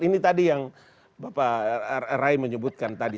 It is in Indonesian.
ini tadi yang bapak rai menyebutkan tadi